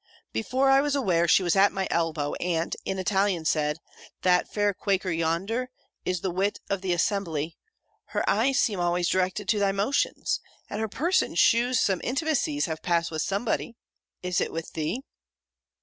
"Before I was aware, she was at my elbow, and, in Italian, said, 'That fair Quaker, yonder, is the wit of the assemblée; her eyes seem always directed to thy motions; and her person shews some intimacies have passed with somebody; is it with thee?'